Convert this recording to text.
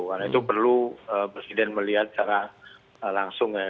karena itu perlu presiden melihat secara langsung ya